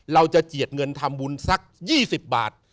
เราจะเจียดเงินทำบุญสักยี่สิบบาท